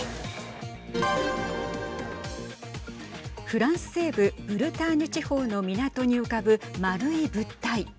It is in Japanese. フランス西部ブルターニュ地方の港に浮かぶ丸い物体。